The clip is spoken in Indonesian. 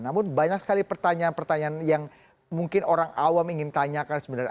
namun banyak sekali pertanyaan pertanyaan yang mungkin orang awam ingin tanyakan sebenarnya